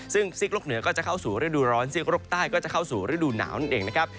ซึ่งซีกโลกเหนือก็จะเข้าสู่ฤดูร้อนซีกโลกใต้ก็จะเข้าสู่ฤดูหนาวนั่นเองนะครับ